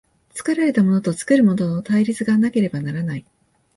作られたものと作るものとの対立がなければならない。